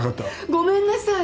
ごめんなさい。